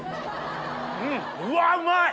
うわうまい！